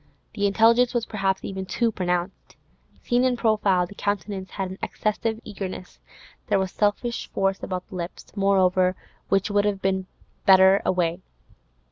The intelligence was perhaps even too pronounced; seen in profile, the countenance had an excessive eagerness; there was selfish force about the lips, moreover, which would have been better away.